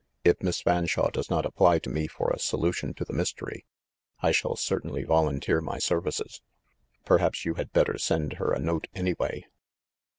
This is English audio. "If Miss Fanshawe does not apply to me for a solution of the mystery, I shall certainly vol unteer my services. Perhaps you had better send her a note, anyway."